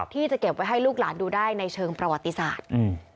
ที่จะเก็บไว้ให้ลูกหลานดูได้ในเชิงประวัติศาสตร์